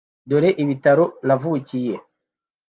Dore ibitaro navukiye.